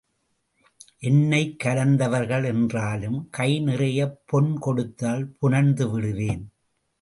என்னைக் கலந்தவர்கள் என்றாலும் கைநிறையப் பொன் கொடுத்தால் புணர்ந்து விடுவேன்.